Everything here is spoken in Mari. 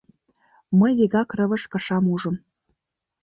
Мый вигак рывыж кышам ужым.